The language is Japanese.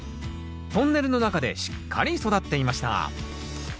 トンネルの中でしっかり育っていました。